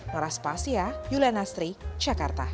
noras pahasia yuliana sri jakarta